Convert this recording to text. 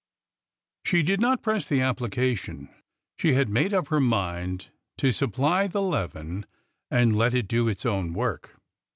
She did not press the application. She had made up her mind to supply the leaven and let it do its own work.